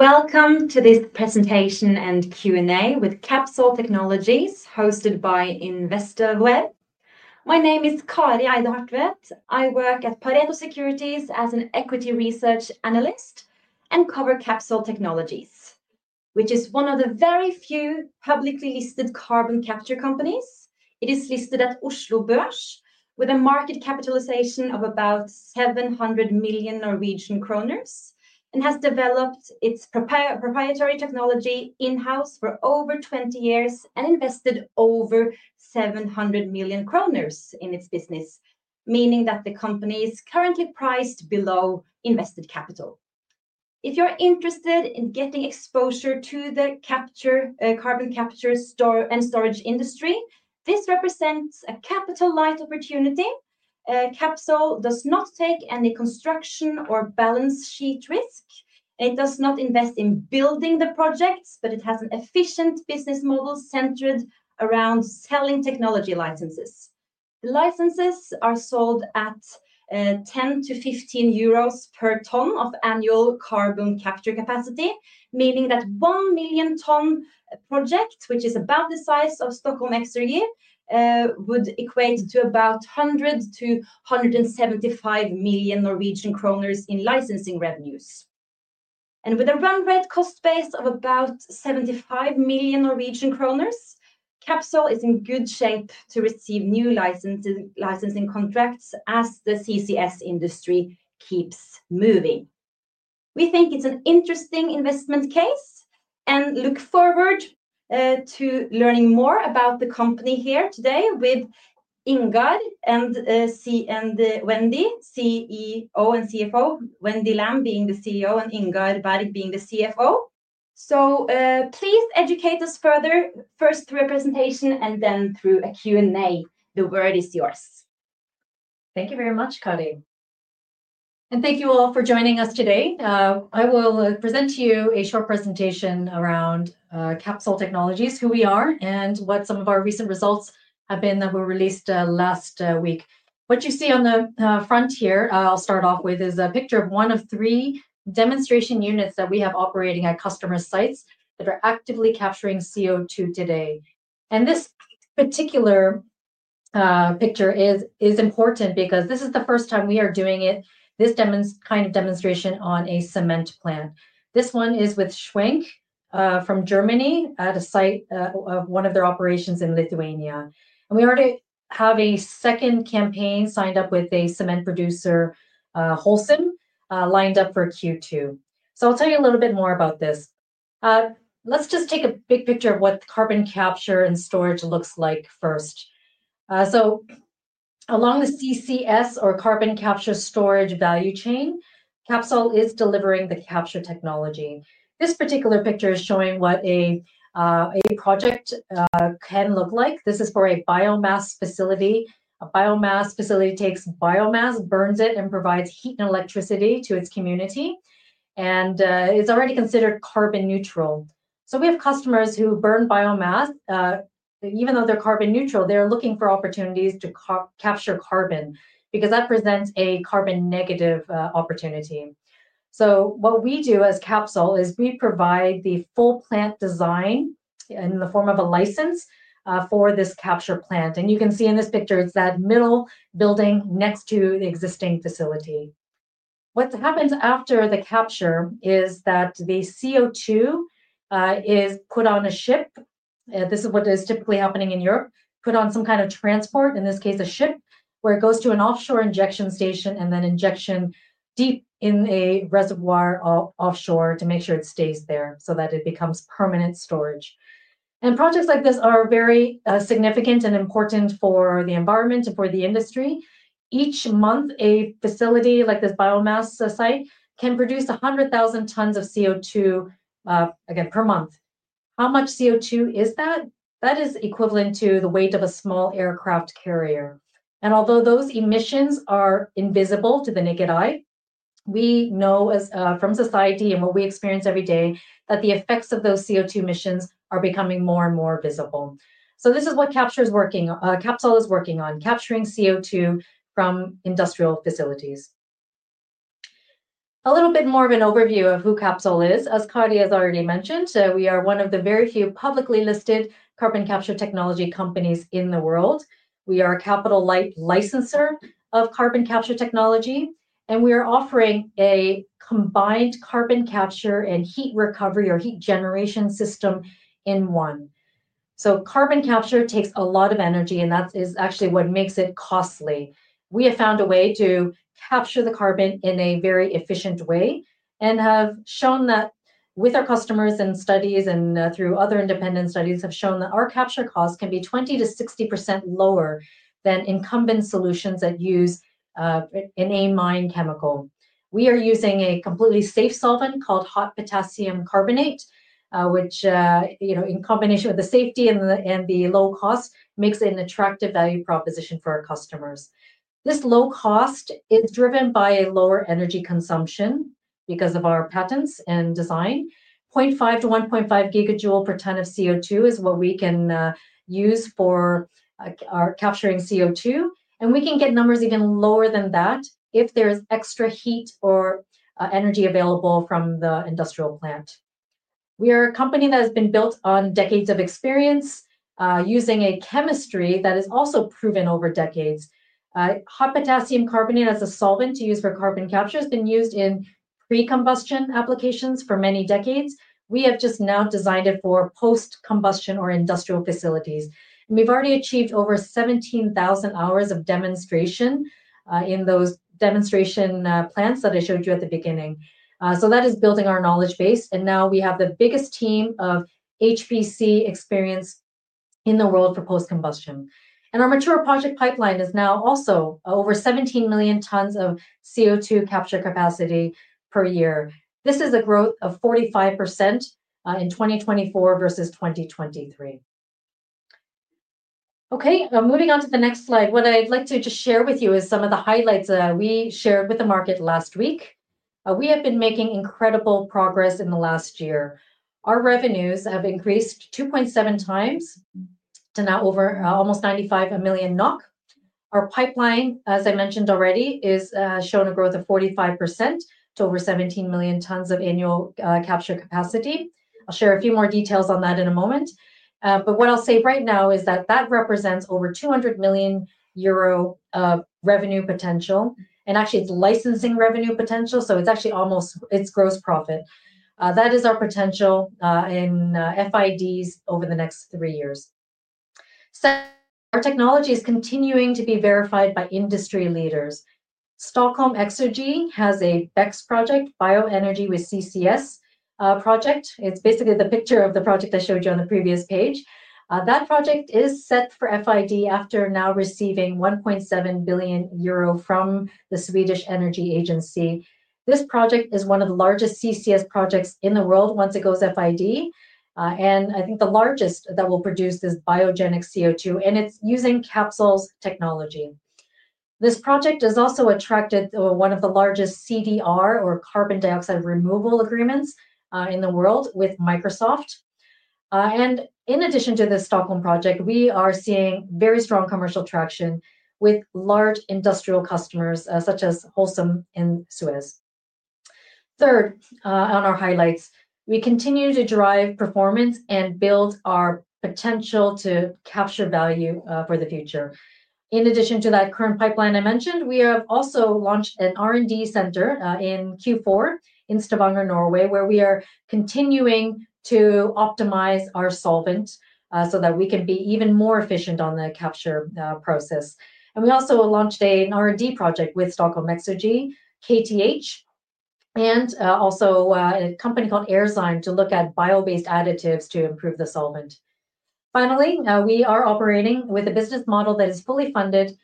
Welcome to this presentation and Q&A with Capsol Technologies hosted by InvestorWeb. My name is Kari Eide Hartvedt. I work at Pareto Securities as an Equity Research Analyst and cover Capsol Technologies, which is one of the very few publicly listed carbon capture companies. It is listed at Oslo Børs with a market capitalization of about 700 million Norwegian kroner and has developed its proprietary technology in-house for over 20 years and invested over 700 million kroner in its business, meaning that the company is currently priced below invested capital. If you're interested in getting exposure to the carbon capture and storage industry, this represents a capital light opportunity. Capsol does not take any construction or balance sheet risk. It does not invest in building the projects, but it has an efficient business model centered around selling technology licenses. The licenses are sold at 10-15 euros per tonne of annual carbon capture capacity, meaning that one million tonne project, which is about the size of Stockholm Exergi, would equate to about 100 million-175 million Norwegian kroner in licensing revenues. With a run rate cost base of about 75 million Norwegian kroner, Capsol is in good shape to receive new licensing contracts as the CCS industry keeps moving. We think it's an interesting investment case and look forward to learning more about the company here today with Ingar and Wendy, CEO and CFO, Wendy Lam being the CEO and Ingar Bergh being the CFO. Please educate us further first through a presentation and then through a Q&A. The word is yours. Thank you very much, Kari. Thank you all for joining us today. I will present to you a short presentation around Capsol Technologies, who we are, and what some of our recent results have been that were released last week. What you see on the front here, I'll start off with, is a picture of one of three demonstration units that we have operating at customer sites that are actively capturing CO2 today. This particular picture is important because this is the first time we are doing this kind of demonstration on a cement plant. This one is with SCHWENK from Germany at a site of one of their operations in Lithuania. We already have a second campaign signed up with a cement producer, Holcim, lined up for Q2. I'll tell you a little bit more about this. Let's just take a big picture of what carbon capture and storage looks like first. Along the CCS or carbon capture storage value chain, Capsol is delivering the capture technology. This particular picture is showing what a project can look like. This is for a biomass facility. A biomass facility takes biomass, burns it, and provides heat and electricity to its community. It is already considered carbon neutral. We have customers who burn biomass. Even though they are carbon neutral, they are looking for opportunities to capture carbon because that presents a carbon negative opportunity. What we do as Capsol is we provide the full plant design in the form of a license for this capture plant. You can see in this picture, it is that middle building next to the existing facility. What happens after the capture is that the CO2 is put on a ship. This is what is typically happening in Europe, put on some kind of transport, in this case a ship, where it goes to an offshore injection station and then injection deep in a reservoir offshore to make sure it stays there so that it becomes permanent storage. Projects like this are very significant and important for the environment and for the industry. Each month, a facility like this biomass site can produce 100,000 tons of CO2, again, per month. How much CO2 is that? That is equivalent to the weight of a small aircraft carrier. Although those emissions are invisible to the naked eye, we know from society and what we experience every day that the effects of those CO2 emissions are becoming more and more visible. This is what Capsol is working on, capturing CO2 from industrial facilities. A little bit more of an overview of who Capsol is. As Kari has already mentioned, we are one of the very few publicly listed carbon capture technology companies in the world. We are a capital light licensor of carbon capture technology, and we are offering a combined carbon capture and heat recovery or heat generation system in one. Carbon capture takes a lot of energy, and that is actually what makes it costly. We have found a way to capture the carbon in a very efficient way and have shown that with our customers and studies and through other independent studies have shown that our capture costs can be 20%-60% lower than incumbent solutions that use an amine chemical. We are using a completely safe solvent called hot potassium carbonate, which in combination with the safety and the low cost makes it an attractive value proposition for our customers. This low cost is driven by a lower energy consumption because of our patents and design. 0.5-1.5 gigajoule per ton of CO2 is what we can use for capturing CO2. We can get numbers even lower than that if there is extra heat or energy available from the industrial plant. We are a company that has been built on decades of experience using a chemistry that is also proven over decades. Hot potassium carbonate as a solvent to use for carbon capture has been used in pre-combustion applications for many decades. We have just now designed it for post-combustion or industrial facilities. We have already achieved over 17,000 hours of demonstration in those demonstration plants that I showed you at the beginning. That is building our knowledge base. Now we have the biggest team of HPC experience in the world for post-combustion. Our mature project pipeline is now also over 17 million tons of CO2 capture capacity per year. This is a growth of 45% in 2024 versus 2023. Moving on to the next slide. What I'd like to just share with you is some of the highlights that we shared with the market last week. We have been making incredible progress in the last year. Our revenues have increased 2.7x to now over almost 95 million NOK. Our pipeline, as I mentioned already, has shown a growth of 45% to over 17 million tons of annual capture capacity. I'll share a few more details on that in a moment. What I'll say right now is that that represents over 200 million euro revenue potential. Actually, it's licensing revenue potential, so it's almost its gross profit. That is our potential in FIDs over the next three years. Our technology is continuing to be verified by industry leaders. Stockholm Exergi has a BECCS project, Bioenergy with CCS project. It's basically the picture of the project I showed you on the previous page. That project is set for FID after now receiving 1.7 billion euro from the Swedish Energy Agency. This project is one of the largest CCS projects in the world once it goes FID. I think the largest that will produce this biogenic CO2. It's using Capsol's technology. This project has also attracted one of the largest CDR or carbon dioxide removal agreements in the world with Microsoft. In addition to the Stockholm project, we are seeing very strong commercial traction with large industrial customers such as Holcim and SUEZ. Third on our highlights, we continue to drive performance and build our potential to capture value for the future. In addition to that current pipeline I mentioned, we have also launched an R&D center in Q4 in Stavanger, Norway, where we are continuing to optimize our solvent so that we can be even more efficient on the capture process. We also launched an R&D project with Stockholm Exergi, KTH, and also a company called AirZyme to look at bio-based additives to improve the solvent. Finally, we are operating with a business model that is fully funded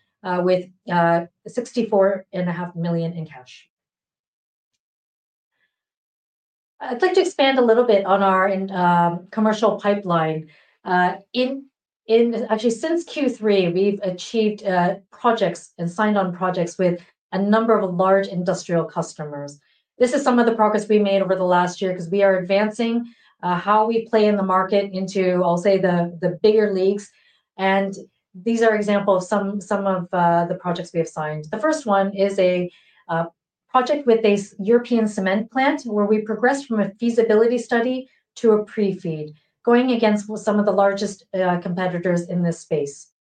with 64.5 million in cash. I'd like to expand a little bit on our commercial pipeline. Actually, since Q3, we've achieved projects and signed on projects with a number of large industrial customers. This is some of the progress we made over the last year because we are advancing how we play in the market into, I'll say, the bigger leagues. These are examples of some of the projects we have signed. The first one is a project with a European cement plant where we progressed from a feasibility study to a pre-FEED, going against some of the largest competitors in this space.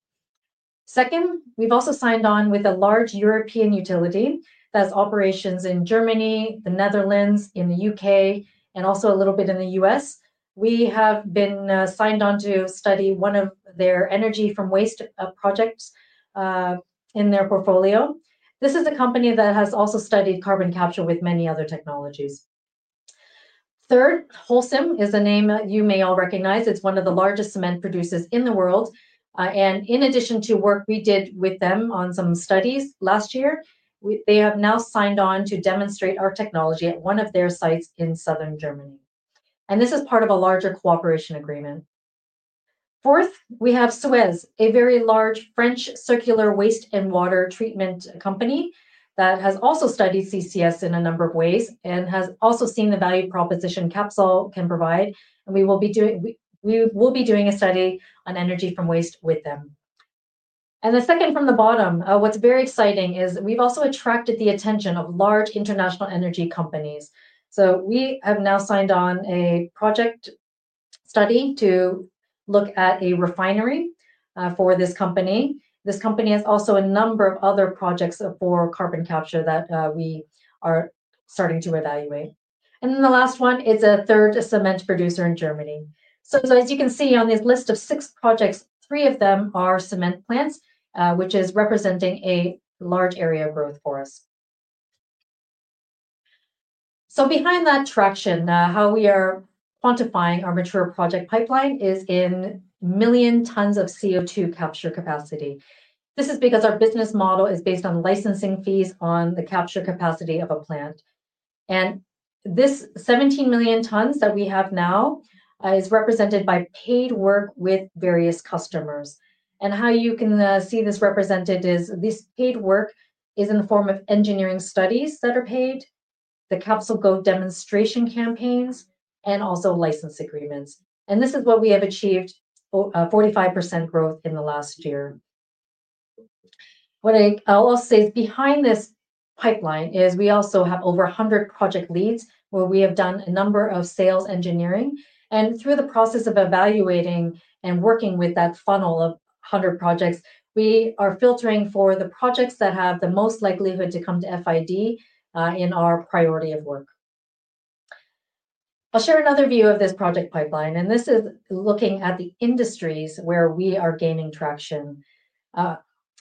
Second, we've also signed on with a large European utility that has operations in Germany, the Netherlands, in the U.K., and also a little bit in the U.S. We have been signed on to study one of their energy from waste projects in their portfolio. This is a company that has also studied carbon capture with many other technologies. Third, Holcim is a name you may all recognize. It is one of the largest cement producers in the world. In addition to work we did with them on some studies last year, they have now signed on to demonstrate our technology at one of their sites in southern Germany. This is part of a larger cooperation agreement. Fourth, we have SUEZ, a very large French circular waste and water treatment company that has also studied CCS in a number of ways and has also seen the value proposition Capsol can provide. We will be doing a study on energy from waste with them. The second from the bottom, what is very exciting is we have also attracted the attention of large international energy companies. We have now signed on a project study to look at a refinery for this company. This company has also a number of other projects for carbon capture that we are starting to evaluate. The last one is a third cement producer in Germany. As you can see on this list of six projects, three of them are cement plants, which is representing a large area of growth for us. Behind that traction, how we are quantifying our mature project pipeline is in million tons of CO2 capture capacity. This is because our business model is based on licensing fees on the capture capacity of a plant. This 17 million tons that we have now is represented by paid work with various customers. How you can see this represented is this paid work is in the form of engineering studies that are paid, the CapsolGo demonstration campaigns, and also license agreements. This is what we have achieved, 45% growth in the last year. What I'll also say is behind this pipeline is we also have over 100 project leads where we have done a number of sales engineering. Through the process of evaluating and working with that funnel of 100 projects, we are filtering for the projects that have the most likelihood to come to FID in our priority of work. I'll share another view of this project pipeline. This is looking at the industries where we are gaining traction.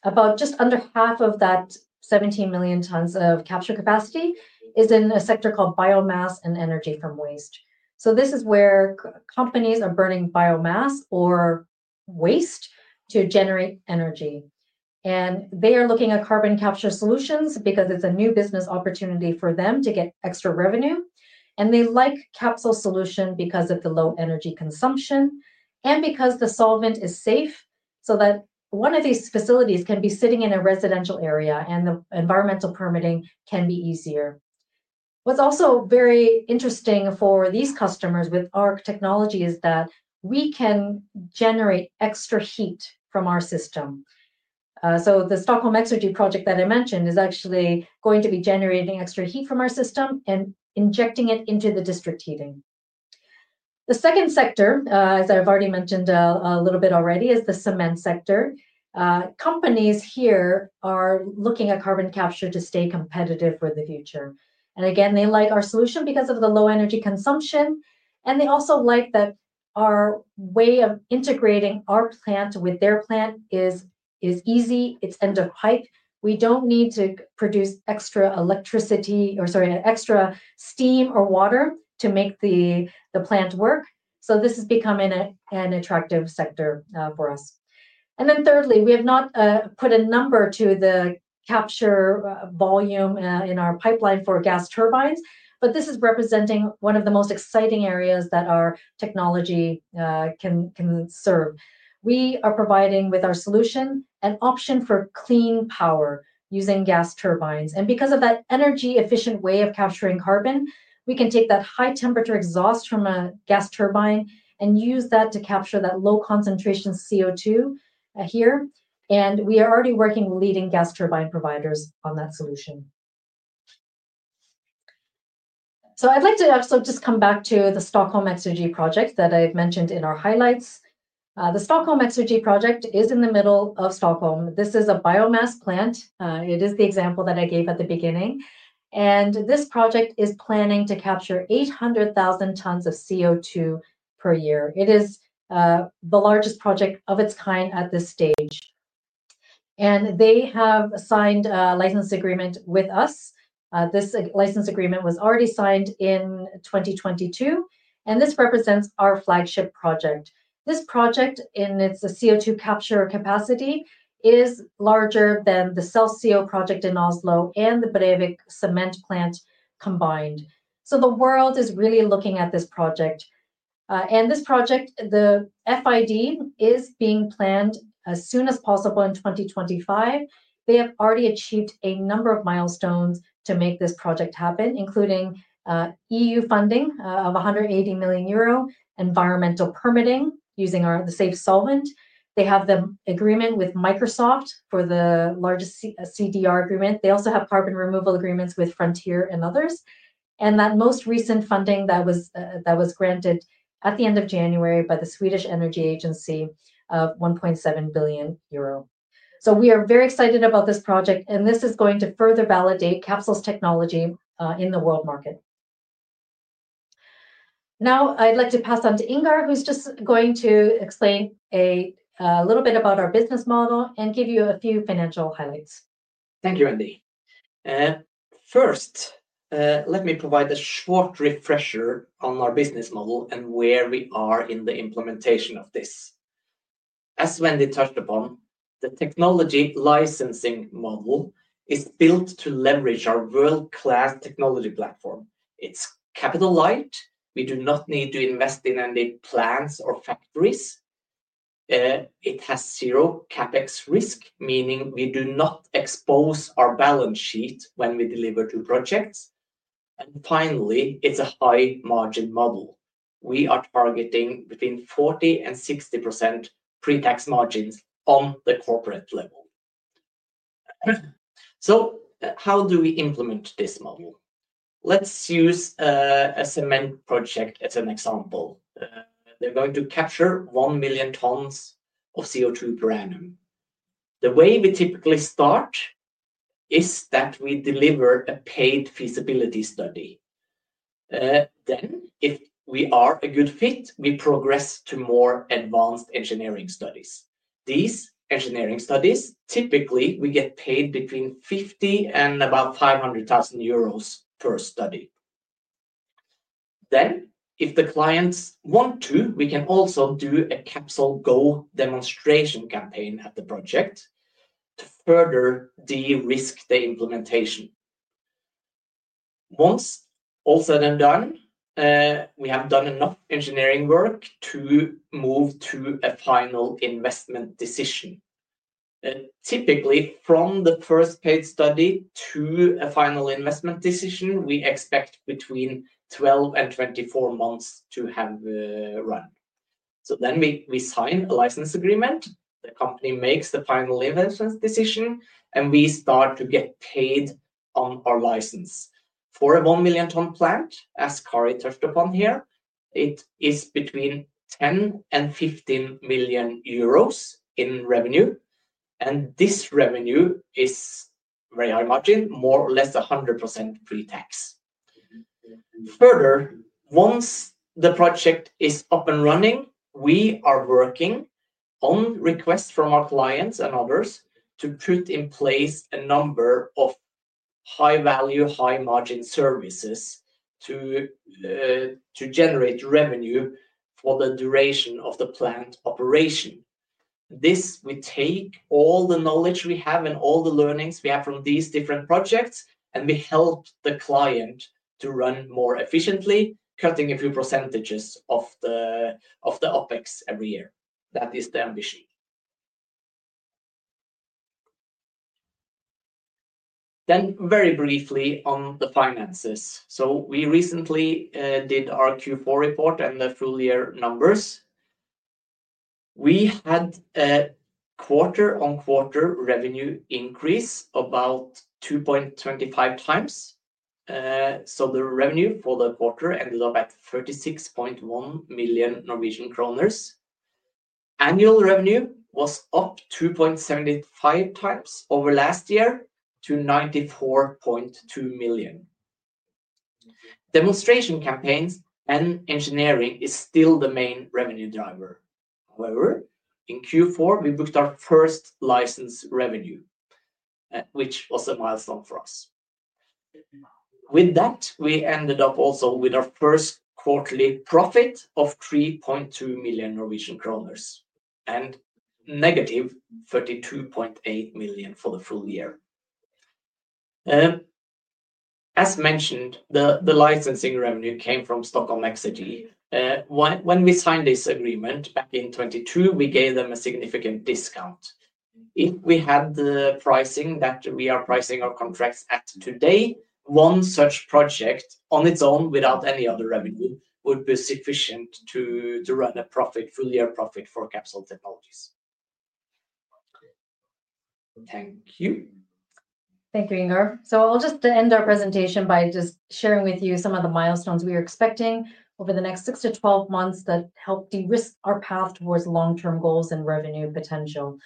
About just under half of that 17 million tons of capture capacity is in a sector called biomass and energy from waste. This is where companies are burning biomass or waste to generate energy. They are looking at carbon capture solutions because it is a new business opportunity for them to get extra revenue. They like Capsol's solution because of the low energy consumption and because the solvent is safe so that one of these facilities can be sitting in a residential area and the environmental permitting can be easier. What is also very interesting for these customers with our technology is that we can generate extra heat from our system. The Stockholm Exergi project that I mentioned is actually going to be generating extra heat from our system and injecting it into the district heating. The second sector, as I have already mentioned a little bit already, is the cement sector. Companies here are looking at carbon capture to stay competitive for the future. They like our solution because of the low energy consumption. They also like that our way of integrating our plant with their plant is easy. It's end of pipe. We don't need to produce extra electricity or, sorry, extra steam or water to make the plant work. This is becoming an attractive sector for us. Thirdly, we have not put a number to the capture volume in our pipeline for gas turbines, but this is representing one of the most exciting areas that our technology can serve. We are providing with our solution an option for clean power using gas turbines. Because of that energy-efficient way of capturing carbon, we can take that high temperature exhaust from a gas turbine and use that to capture that low concentration CO2 here. We are already working with leading gas turbine providers on that solution. I'd like to also just come back to the Stockholm Exergi project that I've mentioned in our highlights. The Stockholm Exergi project is in the middle of Stockholm. This is a biomass plant. It is the example that I gave at the beginning. This project is planning to capture 800,000 tons of CO2 per year. It is the largest project of its kind at this stage. They have signed a license agreement with us. This license agreement was already signed in 2022. This represents our flagship project. This project, in its CO2 capture capacity, is larger than the Celsio project in Oslo and the Brevik cement plant combined. The world is really looking at this project. This project, the FID, is being planned as soon as possible in 2025. They have already achieved a number of milestones to make this project happen, including EU funding of 180 million euro, environmental permitting using the safe solvent. They have the agreement with Microsoft for the largest CDR agreement. They also have carbon removal agreements with Frontier and others. That most recent funding that was granted at the end of January by the Swedish Energy Agency of 1.7 billion euro. We are very excited about this project. This is going to further validate Capsol's technology in the world market. Now, I'd like to pass on to Ingar, who's just going to explain a little bit about our business model and give you a few financial highlights. Thank you, Wendy. First, let me provide a short refresher on our business model and where we are in the implementation of this. As Wendy touched upon, the technology licensing model is built to leverage our world-class technology platform. It is capital light. We do not need to invest in any plants or factories. It has zero CapEx risk, meaning we do not expose our balance sheet when we deliver to projects. Finally, it is a high margin model. We are targeting between 40%-60% pre-tax margins on the corporate level. How do we implement this model? Let's use a cement project as an example. They are going to capture 1 million tons of CO2 per annum. The way we typically start is that we deliver a paid feasibility study. If we are a good fit, we progress to more advanced engineering studies. These engineering studies, typically, we get paid between 50,000-500,000 euros per study. If the clients want to, we can also do a CapsolGo demonstration campaign at the project to further de-risk the implementation. Once all said and done, we have done enough engineering work to move to a final investment decision. Typically, from the first paid study to a final investment decision, we expect between 12 and 24 months to have run. We sign a license agreement. The company makes the final investment decision, and we start to get paid on our license. For a 1 million ton plant, as Kari touched upon here, it is between 10 million and 15 million euros in revenue. This revenue is, by our margin, more or less 100% pre-tax. Further, once the project is up and running, we are working on request from our clients and others to put in place a number of high-value, high-margin services to generate revenue for the duration of the plant operation. This would take all the knowledge we have and all the learnings we have from these different projects, and we help the client to run more efficiently, cutting a few % of the OpEx every year. That is the ambition. Very briefly on the finances. We recently did our Q4 report and the full year numbers. We had a quarter-on-quarter revenue increase of about 2.25x. The revenue for the quarter ended up at 36.1 million Norwegian kroner. Annual revenue was up 2.75x over last year to 94.2 million. Demonstration campaigns and engineering is still the main revenue driver. However, in Q4, we booked our first license revenue, which was a milestone for us. With that, we ended up also with our first quarterly profit of 3.2 million Norwegian kroner and -32.8 million for the full year. As mentioned, the licensing revenue came from Stockholm Exergi. When we signed this agreement back in 2022, we gave them a significant discount. If we had the pricing that we are pricing our contracts at today, one such project on its own without any other revenue would be sufficient to run a full year profit for Capsol Technologies. Thank you. Thank you, Ingar. I will just end our presentation by just sharing with you some of the milestones we are expecting over the next 6-12 months that help de-risk our path towards long-term goals and revenue potential.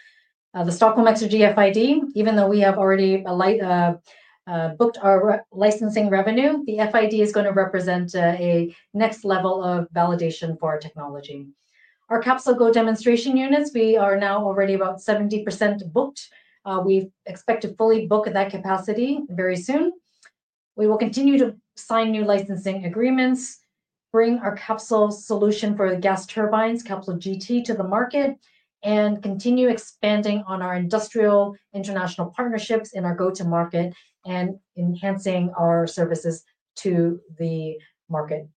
The Stockholm Exergi FID, even though we have already booked our licensing revenue, the FID is going to represent a next level of validation for our technology. Our CapsolGo demonstration units, we are now already about 70% booked. We expect to fully book that capacity very soon. We will continue to sign new licensing agreements, bring our Capsol solution for the gas turbines, CapsolGT, to the market, and continue expanding on our industrial international partnerships in our go-to market and enhancing our services to the market.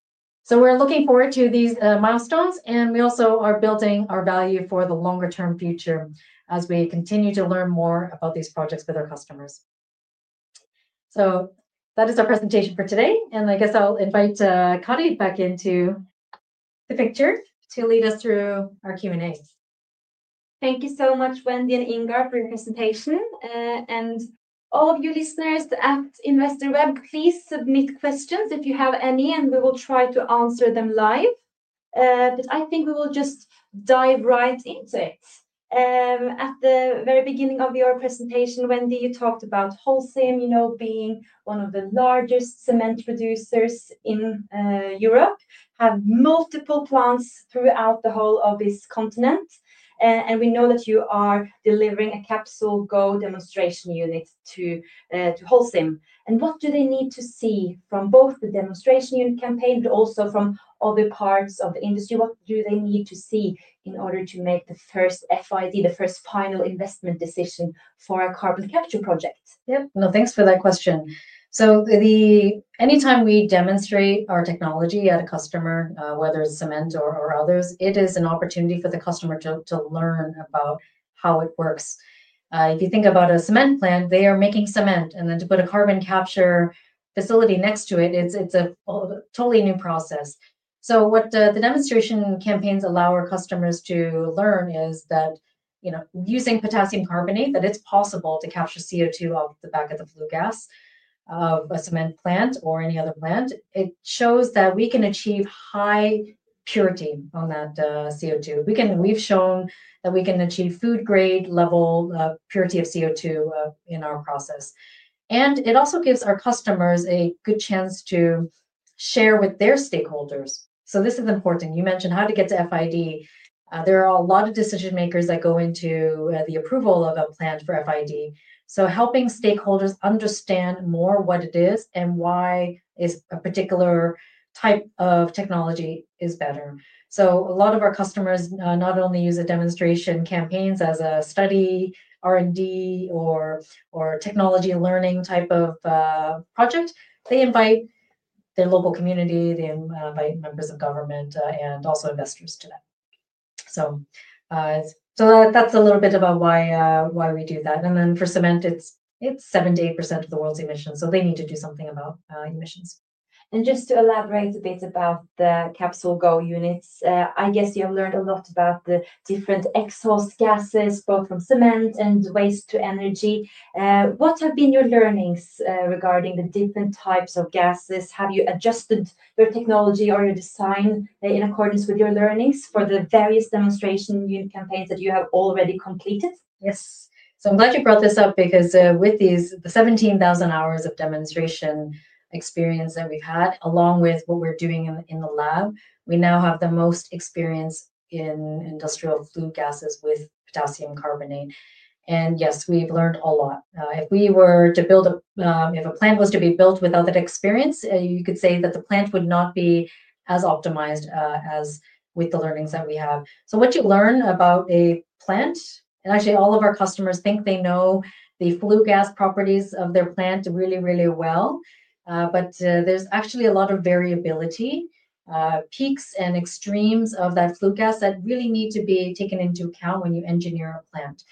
We are looking forward to these milestones, and we also are building our value for the longer-term future as we continue to learn more about these projects with our customers. That is our presentation for today. I guess I'll invite Kari back into the picture to lead us through our Q&A. Thank you so much, Wendy and Ingar, for your presentation. All of you listeners at Investor Web, please submit questions if you have any, and we will try to answer them live. I think we will just dive right into it. At the very beginning of your presentation, Wendy, you talked about Holcim, being one of the largest cement producers in Europe, have multiple plants throughout the whole of this continent. We know that you are delivering a CapsolGo demonstration unit to Holcim. What do they need to see from both the demonstration unit campaign, but also from other parts of the industry? What do they need to see in order to make the first FID, the first final investment decision for a carbon capture project? Yep. No, thanks for that question. Anytime we demonstrate our technology at a customer, whether it's cement or others, it is an opportunity for the customer to learn about how it works. If you think about a cement plant, they are making cement. To put a carbon capture facility next to it, it's a totally new process. What the demonstration campaigns allow our customers to learn is that using potassium carbonate, it's possible to capture CO2 off the back of the flue gas of a cement plant or any other plant. It shows that we can achieve high purity on that CO2. We've shown that we can achieve food-grade level purity of CO2 in our process. It also gives our customers a good chance to share with their stakeholders. This is important. You mentioned how to get to FID. There are a lot of decision-makers that go into the approval of a plant for FID. Helping stakeholders understand more what it is and why a particular type of technology is better is important. A lot of our customers not only use the demonstration campaigns as a study, R&D, or technology learning type of project. They invite their local community. They invite members of government and also investors to that. That is a little bit about why we do that. For cement, it is 78% of the world's emissions. They need to do something about emissions. Just to elaborate a bit about the CapsolGo units, I guess you have learned a lot about the different exhaust gases, both from cement and waste to energy. What have been your learnings regarding the different types of gases? Have you adjusted your technology or your design in accordance with your learnings for the various demonstration unit campaigns that you have already completed? Yes. I'm glad you brought this up because with the 17,000 hours of demonstration experience that we've had, along with what we're doing in the lab, we now have the most experience in industrial flue gases with potassium carbonate. Yes, we've learned a lot. If a plant was to be built without that experience, you could say that the plant would not be as optimized as with the learnings that we have. What you learn about a plant, and actually, all of our customers think they know the flue gas properties of their plant really, really well. There is actually a lot of variability, peaks, and extremes of that flue gas that really need to be taken into account when you engineer a plant.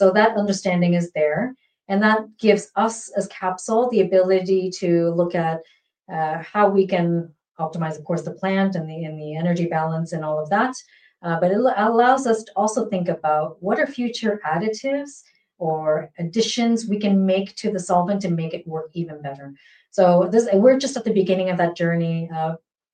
That understanding is there, and that gives us, as Capsol, the ability to look at how we can optimize, of course, the plant and the energy balance and all of that. It allows us to also think about what are future additives or additions we can make to the solvent to make it work even better. We are just at the beginning of that journey.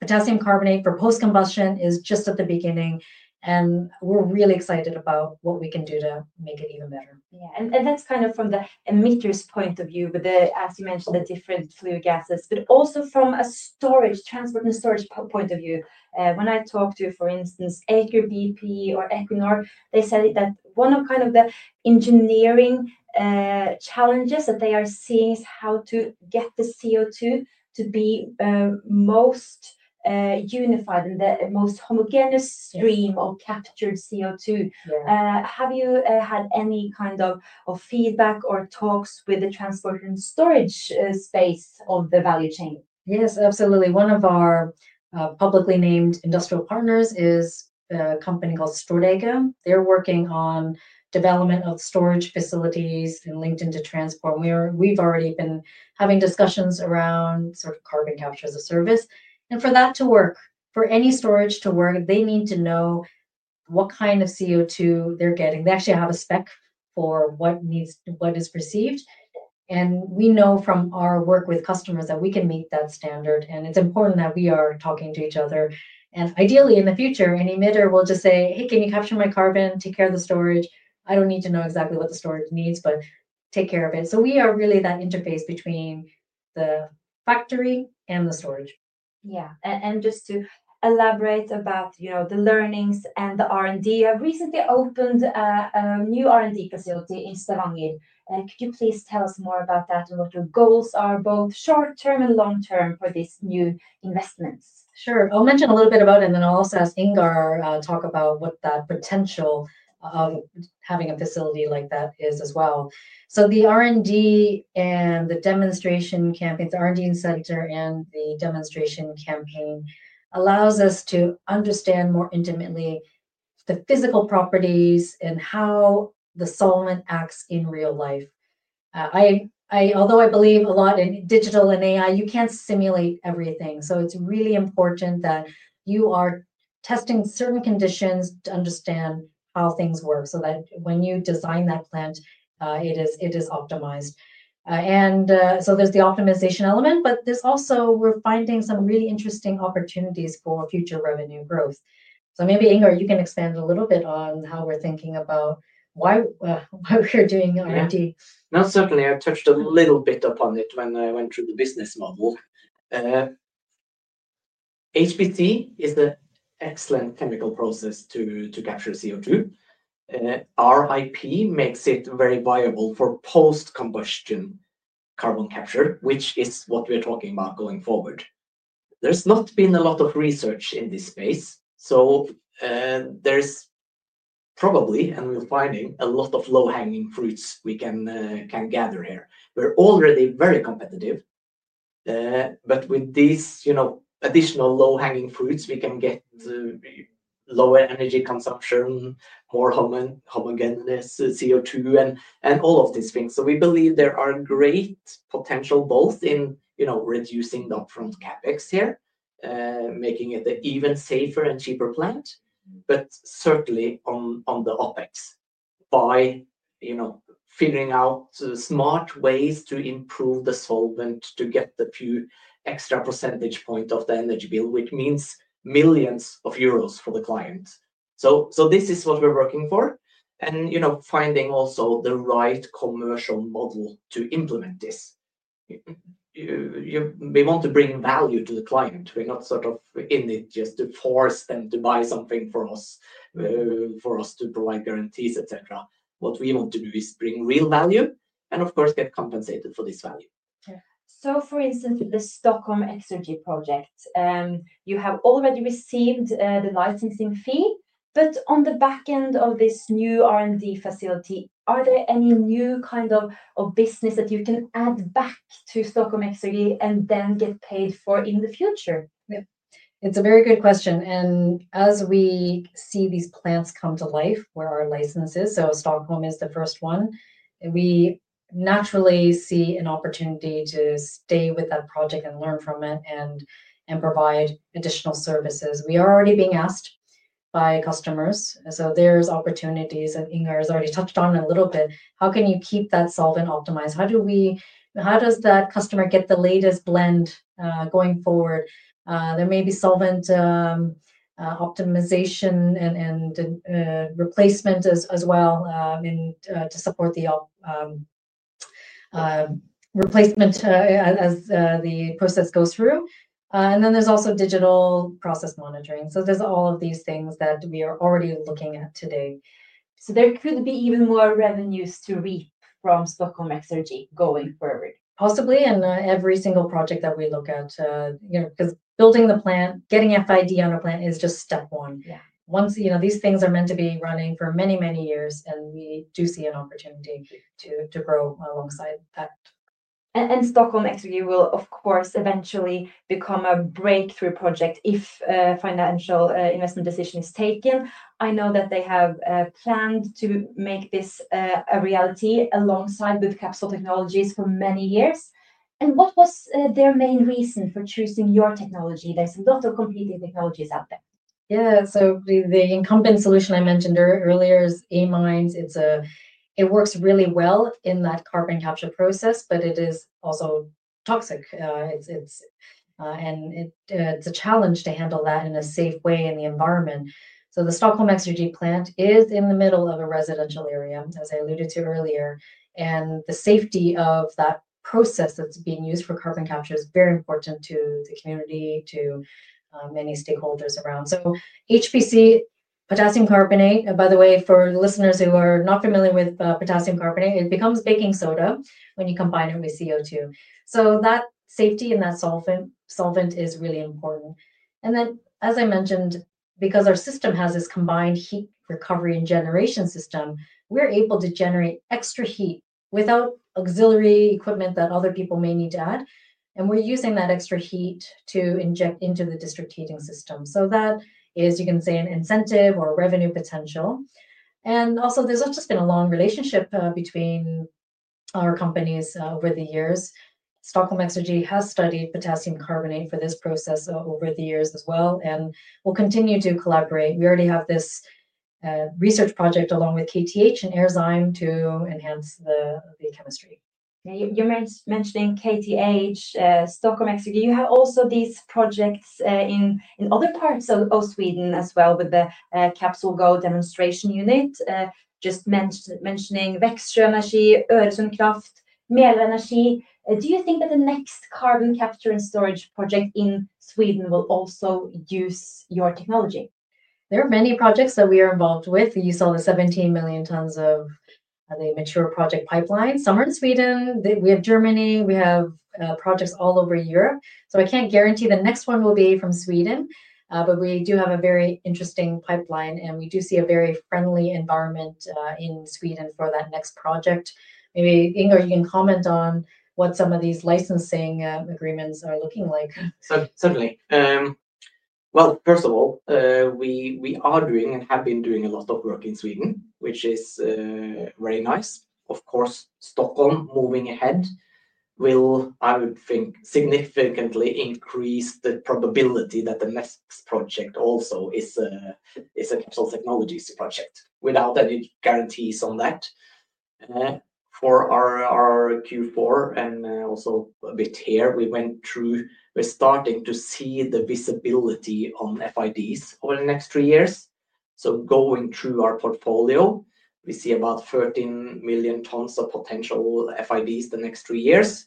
Potassium carbonate for post-combustion is just at the beginning, and we are really excited about what we can do to make it even better. Yeah, and that is kind of from the emitters' point of view, as you mentioned, the different flue gases, but also from a storage, transport and storage point of view. When I talk to, for instance, Aker BP or Equinor, they said that one of kind of the engineering challenges that they are seeing is how to get the CO2 to be most unified and the most homogeneous stream of captured CO2. Have you had any kind of feedback or talks with the transport and storage space of the value chain? Yes, absolutely. One of our publicly named industrial partners is a company called Storegga. They're working on development of storage facilities and linked into transport. We've already been having discussions around sort of carbon capture as a service. For that to work, for any storage to work, they need to know what kind of CO2 they're getting. They actually have a spec for what is perceived. We know from our work with customers that we can meet that standard. It is important that we are talking to each other. Ideally, in the future, an emitter will just say, "Hey, can you capture my carbon? Take care of the storage. I do not need to know exactly what the storage needs, but take care of it." We are really that interface between the factory and the storage. Yeah. Just to elaborate about the learnings and the R&D, you have recently opened a new R&D facility in Stavanger. Could you please tell us more about that and what your goals are, both short-term and long-term, for these new investments? Sure. I will mention a little bit about it, and then I will also, as Ingar, talk about what the potential of having a facility like that is as well. The R&D and the demonstration campaigns, the R&D incentive and the demonstration campaign, allows us to understand more intimately the physical properties and how the solvent acts in real life. Although I believe a lot in digital and AI, you can't simulate everything. It is really important that you are testing certain conditions to understand how things work so that when you design that plant, it is optimized. There is the optimization element, but also we are finding some really interesting opportunities for future revenue growth. Maybe, Ingar, you can expand a little bit on how we are thinking about why we are doing R&D. Yeah. No, certainly. I touched a little bit upon it when I went through the business model. HPC is an excellent chemical process to capture CO2. HPC makes it very viable for post-combustion carbon capture, which is what we are talking about going forward. There's not been a lot of research in this space. There's probably, and we're finding, a lot of low-hanging fruits we can gather here. We're already very competitive. With these additional low-hanging fruits, we can get lower energy consumption, more homogeneous CO2, and all of these things. We believe there are great potential both in reducing the upfront CapEx here, making it an even safer and cheaper plant, but certainly on the OpEx by figuring out smart ways to improve the solvent to get the few extra percentage points of the energy bill, which means millions of EUR for the client. This is what we're working for and finding also the right commercial model to implement this. We want to bring value to the client. We're not sort of in it just to force them to buy something for us, for us to provide guarantees, etc. What we want to do is bring real value and, of course, get compensated for this value. Yeah. For instance, the Stockholm Exergi project, you have already received the licensing fee. On the back end of this new R&D facility, are there any new kind of business that you can add back to Stockholm Exergi and then get paid for in the future? Yeah. It's a very good question. As we see these plants come to life where our license is, so Stockholm is the first one, we naturally see an opportunity to stay with that project and learn from it and provide additional services. We are already being asked by customers. There are opportunities that Ingar has already touched on a little bit. How can you keep that solvent optimized? How does that customer get the latest blend going forward? There may be solvent optimization and replacement as well to support the replacement as the process goes through. There is also digital process monitoring. All of these things are already being looked at today. There could be even more revenues to reap from Stockholm Exergi going forward, possibly in every single project that we look at because building the plant, getting FID on a plant is just step one. These things are meant to be running for many, many years, and we do see an opportunity to grow alongside that. Stockholm Exergi will, of course, eventually become a breakthrough project if financial investment decision is taken. I know that they have planned to make this a reality alongside Capsol Technologies for many years. What was their main reason for choosing your technology? There is a lot of competing technologies out there. Yeah. The incumbent solution I mentioned earlier is amines. It works really well in that carbon capture process, but it is also toxic. It's a challenge to handle that in a safe way in the environment. The Stockholm Exergi plant is in the middle of a residential area, as I alluded to earlier. The safety of that process that's being used for carbon capture is very important to the community, to many stakeholders around. HPC, potassium carbonate, by the way, for listeners who are not familiar with potassium carbonate, it becomes baking soda when you combine it with CO2. That safety in that solvent is really important. As I mentioned, because our system has this combined heat recovery and generation system, we're able to generate extra heat without auxiliary equipment that other people may need to add. We're using that extra heat to inject into the district heating system. That is, you can say, an incentive or revenue potential. Also, there's just been a long relationship between our companies over the years. Stockholm Exergi has studied potassium carbonate for this process over the years as well and will continue to collaborate. We already have this research project along with KTH and AirZyme to enhance the chemistry. You mentioning KTH, Stockholm Exergi, you have also these projects in other parts of Sweden as well with the CapsolGo demonstration unit, just mentioning Växjö Energi, Öresundskraft, Mälarenergi. Do you think that the next carbon capture and storage project in Sweden will also use your technology? There are many projects that we are involved with. You saw the 17 million tons of the mature project pipeline. Some are in Sweden. We have Germany. We have projects all over Europe. I can't guarantee the next one will be from Sweden, but we do have a very interesting pipeline, and we do see a very friendly environment in Sweden for that next project. Maybe, Ingar, you can comment on what some of these licensing agreements are looking like. Certainly. First of all, we are doing and have been doing a lot of work in Sweden, which is very nice. Of course, Stockholm moving ahead will, I would think, significantly increase the probability that the next project also is a Capsol Technologies project without any guarantees on that. For our Q4 and also a bit here, we went through, we're starting to see the visibility on FIDs over the next three years. Going through our portfolio, we see about 13 million tons of potential FIDs the next three years,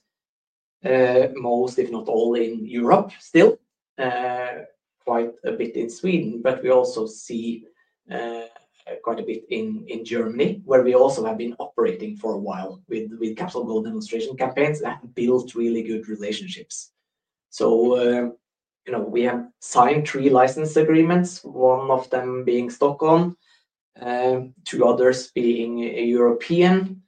most, if not all, in Europe still, quite a bit in Sweden, but we also see quite a bit in Germany, where we also have been operating for a while with CapsolGo demonstration campaigns that built really good relationships. We have signed three license agreements, one of them being Stockholm, two others being European.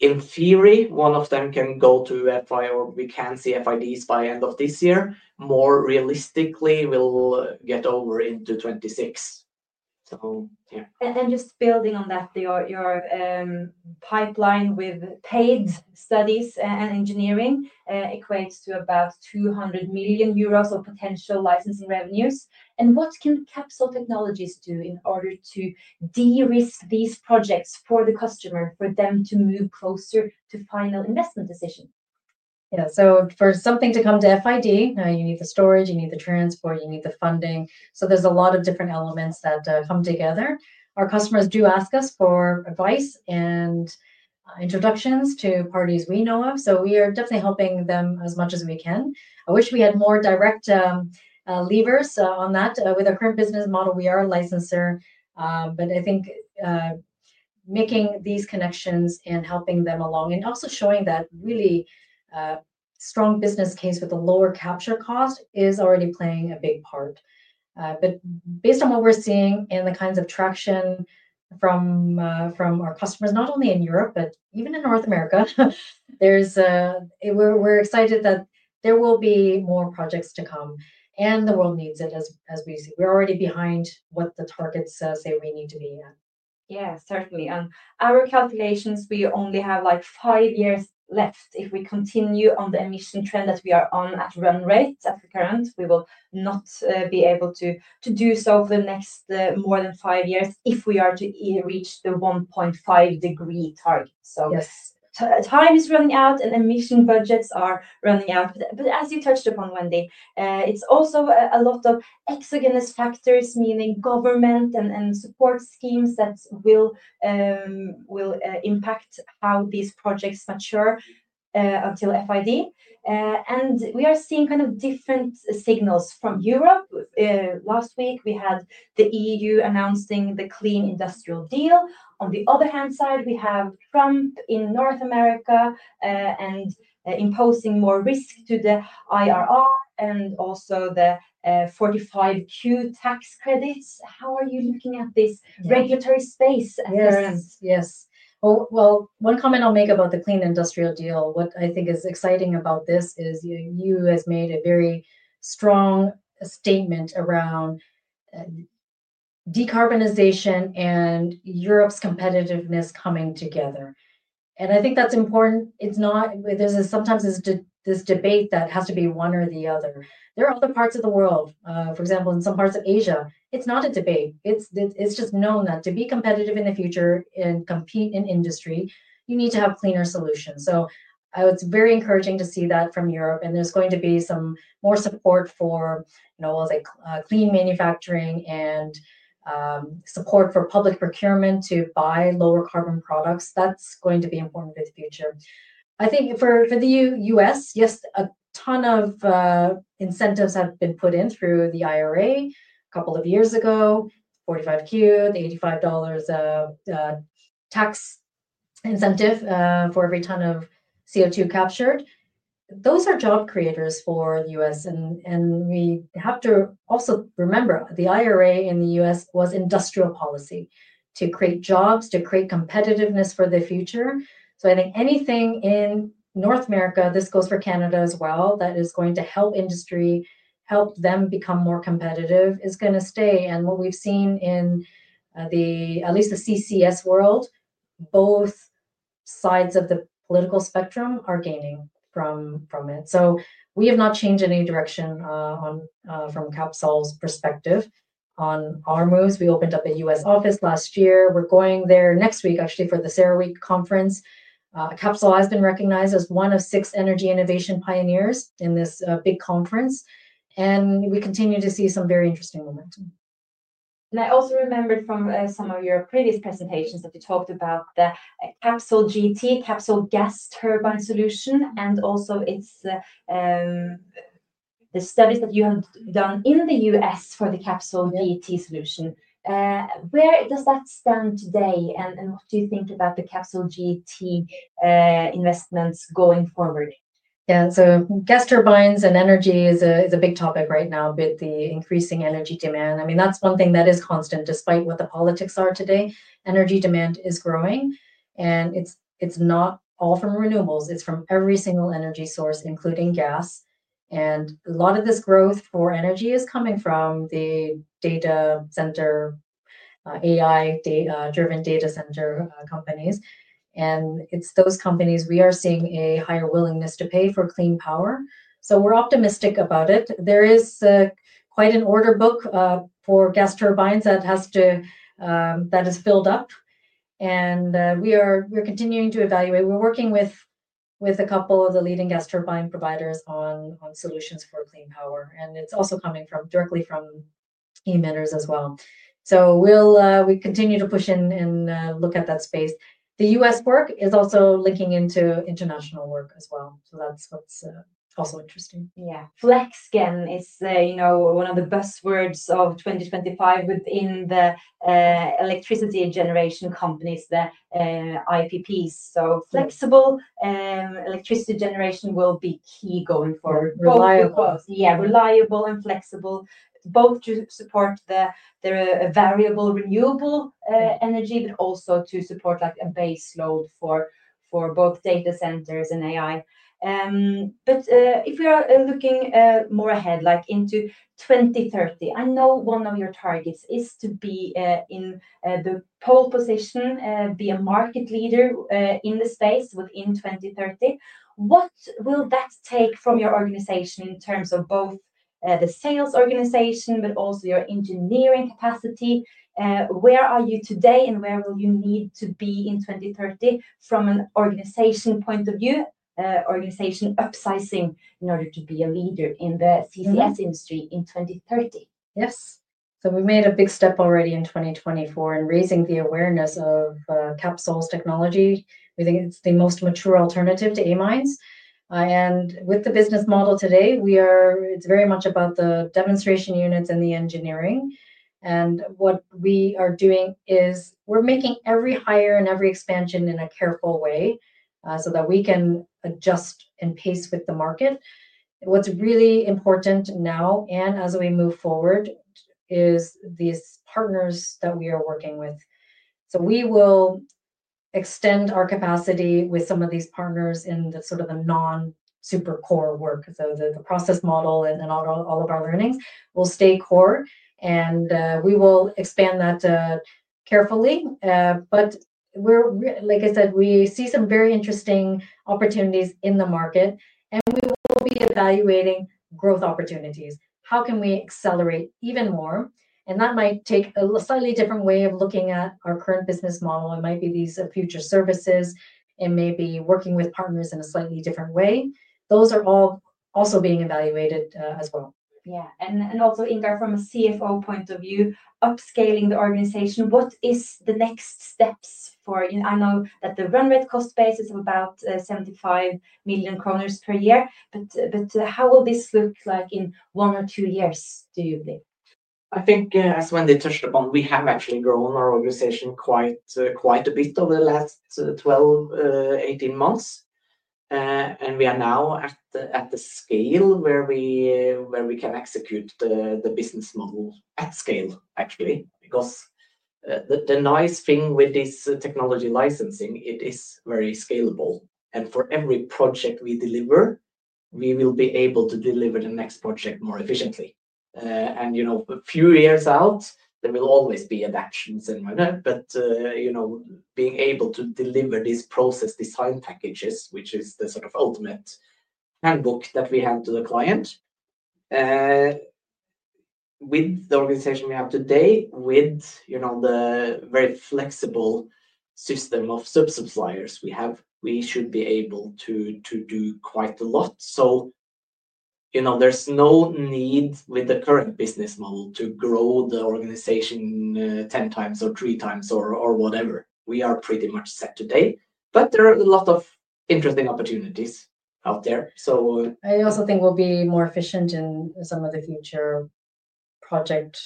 In theory, one of them can go to FID or we can see FIDs by the end of this year. More realistically, we'll get over into 2026. Yeah. Just building on that, your pipeline with paid studies and engineering equates to about 200 million euros of potential licensing revenues. What can Capsol Technologies do in order to de-risk these projects for the customer, for them to move closer to final investment decision? Yeah. For something to come to FID, you need the storage, you need the transport, you need the funding. There are a lot of different elements that come together. Our customers do ask us for advice and introductions to parties we know of. We are definitely helping them as much as we can. I wish we had more direct levers on that. With our current business model, we are a licensor. I think making these connections and helping them along and also showing that really strong business case with a lower capture cost is already playing a big part. Based on what we're seeing and the kinds of traction from our customers, not only in Europe, but even in North America, we're excited that there will be more projects to come. The world needs it, as we see. We're already behind what the targets say we need to be at. Yeah, certainly. On our calculations, we only have like five years left. If we continue on the emission trend that we are on at run rate at the current, we will not be able to do so for the next more than five years if we are to reach the 1.5-degree target. Time is running out and emission budgets are running out. As you touched upon, Wendy, it's also a lot of exogenous factors, meaning government and support schemes that will impact how these projects mature until FID. We are seeing kind of different signals from Europe. Last week, we had the EU announcing the Clean Industrial Deal. On the other hand side, we have Trump in North America and imposing more risk to the IRR and also the 45Q tax credits. How are you looking at this regulatory space at current? Yes. One comment I'll make about the Clean Industrial Deal, what I think is exciting about this is you have made a very strong statement around decarbonization and Europe's competitiveness coming together. I think that's important. Sometimes there's this debate that has to be one or the other. There are other parts of the world. For example, in some parts of Asia, it's not a debate. It's just known that to be competitive in the future and compete in industry, you need to have cleaner solutions. It's very encouraging to see that from Europe. There's going to be some more support for, what was it, clean manufacturing and support for public procurement to buy lower carbon products. That's going to be important for the future. I think for the U.S., yes, a ton of incentives have been put in through the IRA a couple of years ago, 45Q, the $85 tax incentive for every ton of CO2 captured. Those are job creators for the U.S. We have to also remember the IRA in the U.S. was industrial policy to create jobs, to create competitiveness for the future. I think anything in North America, this goes for Canada as well, that is going to help industry, help them become more competitive, is going to stay. What we've seen in at least the CCS world, both sides of the political spectrum are gaining from it. We have not changed any direction from Capsol's perspective on our moves. We opened up a U.S. office last year. We're going there next week, actually, for the CERAWeek conference. Capsol has been recognized as one of six energy innovation pioneers in this big conference. We continue to see some very interesting momentum. I also remembered from some of your previous presentations that you talked about the CapsolGT, Capsol gas turbine solution, and also the studies that you have done in the U.S. for the CapsolGT solution. Where does that stand today? What do you think about the CapsolGT investments going forward? Yeah. Gas turbines and energy is a big topic right now with the increasing energy demand. I mean, that's one thing that is constant despite what the politics are today. Energy demand is growing. It's not all from renewables. It's from every single energy source, including gas. A lot of this growth for energy is coming from the data center, AI-driven data center companies. It is those companies we are seeing a higher willingness to pay for clean power. We are optimistic about it. There is quite an order book for gas turbines that is filled up. We are continuing to evaluate. We are working with a couple of the leading gas turbine providers on solutions for clean power. It is also coming directly from emitters as well. We continue to push and look at that space. The U.S. work is also linking into international work as well. That is what is also interesting. FlexGen is one of the buzzwords of 2025 within the electricity generation companies, the IPPs. Flexible electricity generation will be key going forward. Reliable and flexible, both to support the variable renewable energy, but also to support a base load for both data centers and AI. If we are looking more ahead, like into 2030, I know one of your targets is to be in the pole position, be a market leader in the space within 2030. What will that take from your organization in terms of both the sales organization, but also your engineering capacity? Where are you today and where will you need to be in 2030 from an organization point of view, organization upsizing in order to be a leader in the CCS industry in 2030? Yes. We made a big step already in 2024 in raising the awareness of Capsol's technology. We think it's the most mature alternative to amines. With the business model today, it's very much about the demonstration units and the engineering. What we are doing is we're making every hire and every expansion in a careful way so that we can adjust in pace with the market. What's really important now, as we move forward, is these partners that we are working with. We will extend our capacity with some of these partners in sort of the non-super core work. The process model and all of our learnings will stay core. We will expand that carefully. Like I said, we see some very interesting opportunities in the market. We will be evaluating growth opportunities. How can we accelerate even more? That might take a slightly different way of looking at our current business model. It might be these future services. It may be working with partners in a slightly different way. Those are all also being evaluated as well. Yeah. Also, Ingar, from a CFO point of view, upscaling the organization, what is the next steps for you? I know that the run rate cost base is about 75 million kroner per year. How will this look like in one or two years, do you believe? I think, as Wendy touched upon, we have actually grown our organization quite a bit over the last 12-18 months. We are now at the scale where we can execute the business model at scale, actually. The nice thing with this technology licensing, it is very scalable. For every project we deliver, we will be able to deliver the next project more efficiently. A few years out, there will always be adaptions and whatnot. Being able to deliver these process design packages, which is the sort of ultimate handbook that we hand to the client, with the organization we have today, with the very flexible system of sub-suppliers we have, we should be able to do quite a lot. There is no need with the current business model to grow the organization 10x or 3x or whatever. We are pretty much set today. There are a lot of interesting opportunities out there. I also think we'll be more efficient in some of the future project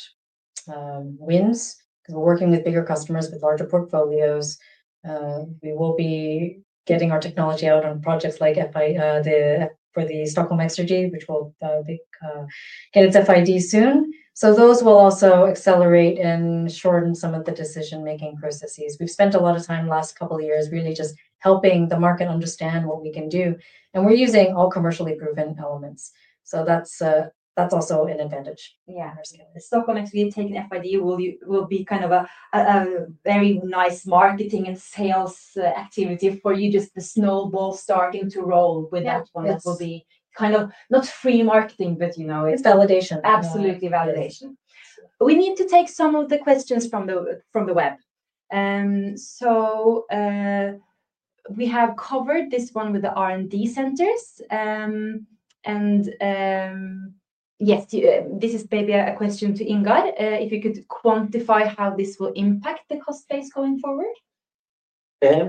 wins because we're working with bigger customers with larger portfolios. We will be getting our technology out on projects like for the Stockholm Exergi, which will get its FID soon. Those will also accelerate and shorten some of the decision-making processes. We've spent a lot of time the last couple of years really just helping the market understand what we can do. And we're using all commercially proven elements. So that's also an advantage. Yeah. Stockholm, next we take an FID, will be kind of a very nice marketing and sales activity for you, just the snowball starting to roll with that one that will be kind of not free marketing, but it's validation. Absolutely validation. We need to take some of the questions from the web. We have covered this one with the R&D centers. Yes, this is maybe a question to Ingar. If you could quantify how this will impact the cost base going forward.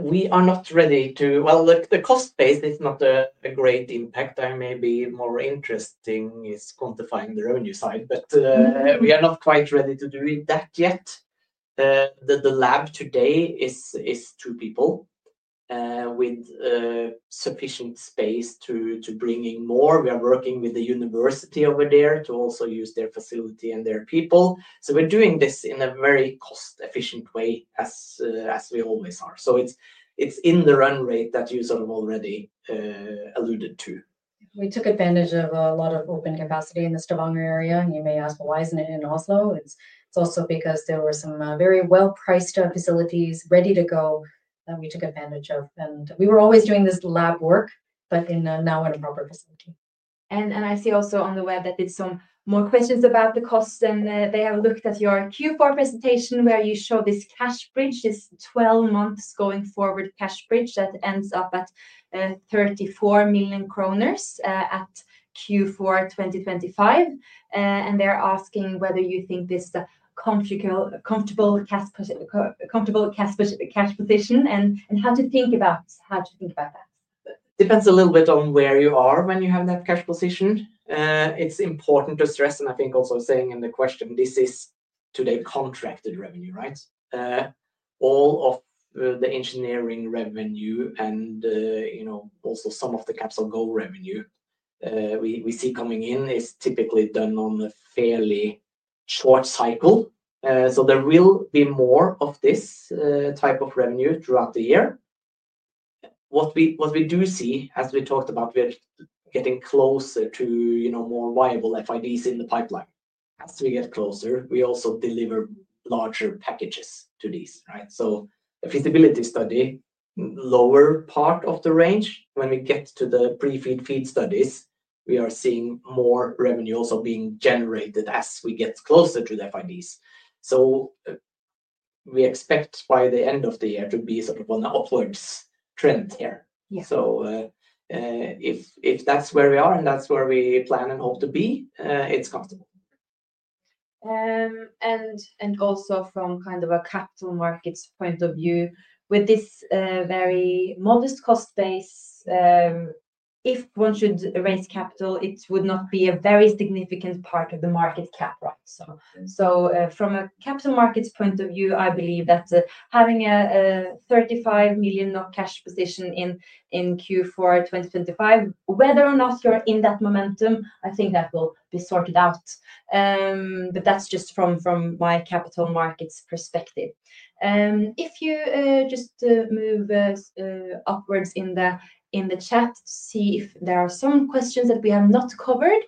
We are not ready to. Look, the cost base is not a great impact. Maybe more interesting is quantifying the revenue side. We are not quite ready to do that yet. The lab today is two people with sufficient space to bring in more. We are working with the university over there to also use their facility and their people. We are doing this in a very cost-efficient way, as we always are. It is in the run rate that you sort of already alluded to. We took advantage of a lot of open capacity in the Stavanger area. You may ask, why is it not in Oslo? It is also because there were some very well-priced facilities ready to go that we took advantage of. We were always doing this lab work, but now in a proper facility. I see also on the web that there are some more questions about the costs. They have looked at your Q4 presentation where you show this cash bridge, this 12-month going forward cash bridge that ends up at 34 million kroner at Q4 2025. They are asking whether you think this is a comfortable cash position and how to think about that. Depends a little bit on where you are when you have that cash position. It is important to stress, and I think also saying in the question, this is today contracted revenue, right? All of the engineering revenue and also some of the CapsolGo revenue we see coming in is typically done on a fairly short cycle. There will be more of this type of revenue throughout the year. What we do see, as we talked about, we are getting closer to more viable FIDs in the pipeline. As we get closer, we also deliver larger packages to these, right? The feasibility study, lower part of the range. When we get to the pre-feed feed studies, we are seeing more revenue also being generated as we get closer to the FIDs. We expect by the end of the year to be sort of on the upwards trend here. If that's where we are and that's where we plan and hope to be, it's comfortable. Also from kind of a capital markets point of view, with this very modest cost base, if one should raise capital, it would not be a very significant part of the market cap, right? From a capital markets point of view, I believe that having a 35 million cash position in Q4 2025, whether or not you're in that momentum, I think that will be sorted out. That's just from my capital markets perspective. If you just move upwards in the chat to see if there are some questions that we have not covered.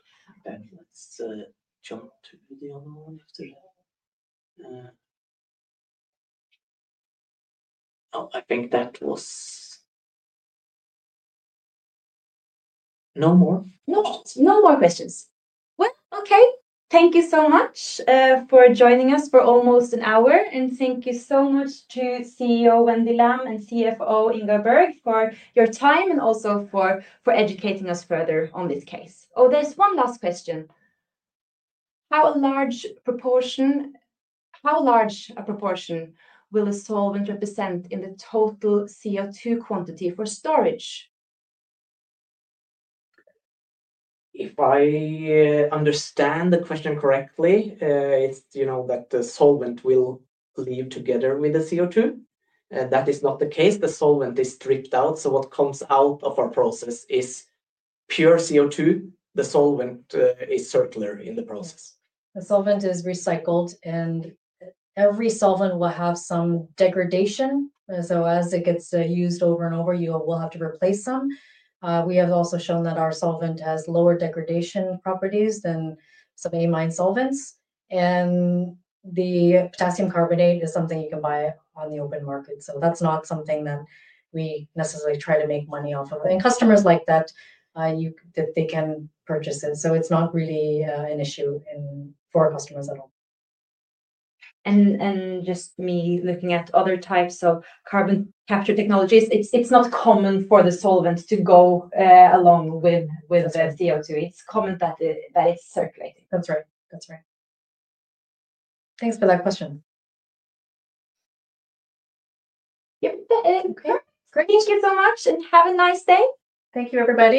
Let's jump to the other one after that. Oh, I think that was no more? No more questions. What? Okay. Thank you so much for joining us for almost an hour. Thank you so much to CEO Wendy Lam and CFO Ingar Bergh for your time and also for educating us further on this case. Oh, there's one last question. How large a proportion will a solvent represent in the total CO2 quantity for storage? If I understand the question correctly, it's that the solvent will leave together with the CO2. That is not the case. The solvent is stripped out. What comes out of our process is pure CO2. The solvent is circular in the process. The solvent is recycled. Every solvent will have some degradation. As it gets used over and over, you will have to replace some. We have also shown that our solvent has lower degradation properties than some amine solvents. The potassium carbonate is something you can buy on the open market. That is not something that we necessarily try to make money off of. Customers like that they can purchase it. It is not really an issue for customers at all. Just me looking at other types of carbon capture technologies, it is not common for the solvent to go along with the CO2. It is common that it is circulating. That is right. That is right. Thanks for that question. Yep. Thank you so much. Have a nice day. Thank you, everybody.